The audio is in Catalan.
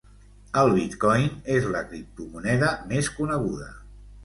El bitcoin és la criptomoneda més coneguda.